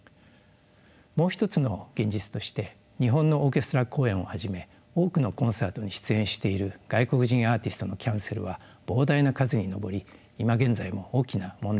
もう一つの現実として日本のオーケストラ公演をはじめ多くのコンサートに出演している外国人アーティストのキャンセルは膨大な数に上り今現在も大きな問題になっています。